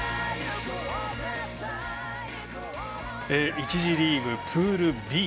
１次リーグ、プールＢ